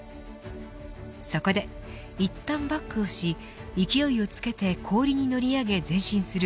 そこでいったんバックをし勢いをつけて氷に乗り上げ前進する